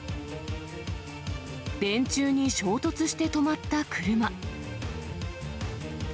電柱に衝突して止まった車。